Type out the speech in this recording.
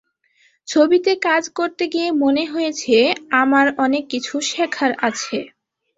ছবিতে কাজ করতে গিয়ে মনে হয়েছে, আমার অনেক কিছু শেখার আছে।